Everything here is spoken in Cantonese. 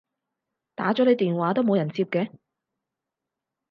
打咗你電話都冇人接嘅